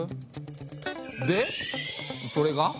でそれが？